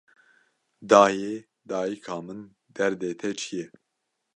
Dayê, dayika min, derdê te çi ye